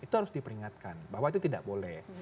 itu harus diperingatkan bahwa itu tidak boleh